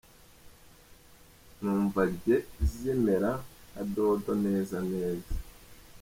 Numva njye zimera nka dodo neza neza.